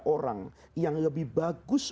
orang yang lebih bagus